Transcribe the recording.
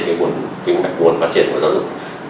cái nguồn phát triển của giáo dục